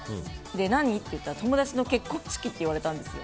何？って聞いたら友達の結婚式って言われたんです。